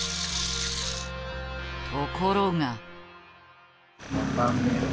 ところが。